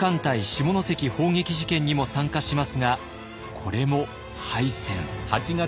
下関砲撃事件にも参加しますがこれも敗戦。